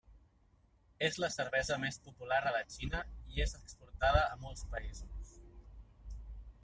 És la cervesa més popular a la Xina i és exportada a molts països.